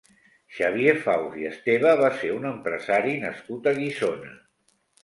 Xavier Faus i Esteve va ser un empresari nascut a Guissona.